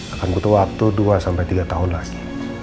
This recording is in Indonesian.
akan butuh waktu dua sampai tiga tahun lagi